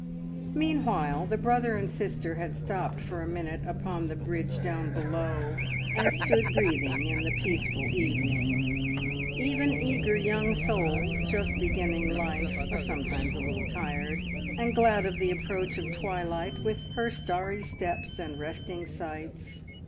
Meanwhile the brother and sister had stopped for a minute upon the bridge down below, and stood breathing in the peaceful evening. Even eager young souls just beginning life are sometimes a little tired, and glad of the approach of twilight with her starry steps and resting sights!